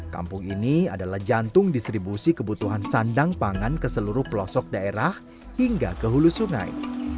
kampung ini adalah jantung distribusi kebutuhan sandang pangan ke seluruh pelosok daerah hingga ke hulu sungai